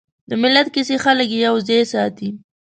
د ملت کیسې خلک یوځای ساتي.